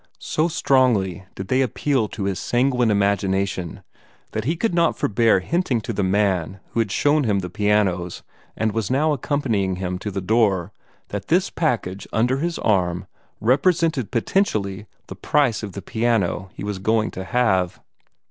So strongly did they appeal to his sanguine imagination that he could not forbear hinting to the man who had shown him the pianos and was now accompanying him to the door that this package under his arm represented potentially the price of the piano he was going to have.